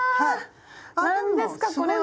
キャ何ですかこれは。